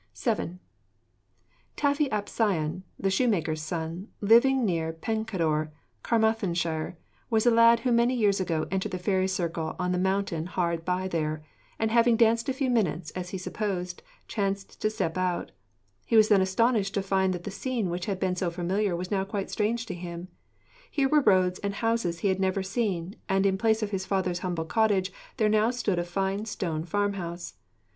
VII. Taffy ap Sion, the shoemaker's son, living near Pencader, Carmarthenshire, was a lad who many years ago entered the fairy circle on the mountain hard by there, and having danced a few minutes, as he supposed, chanced to step out. He was then astonished to find that the scene which had been so familiar was now quite strange to him. Here were roads and houses he had never seen, and in place of his father's humble cottage there now stood a fine stone farm house.